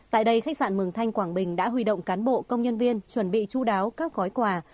tại đây khách sạn mường thanh quảng bình đã huy động cán bộ công nhân viên chuẩn bị chú đáo các gói quà